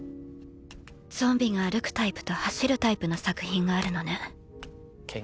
ゾンビが歩くタイプと走るタイプの作品があるのね。